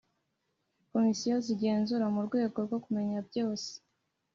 Komisiyo z igenzura mu rwego rwo kumenya byose